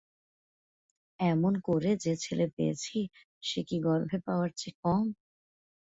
এমন করে যে ছেলে পেয়েছি সে কি গর্ভে পাওয়ার চেয়ে কম।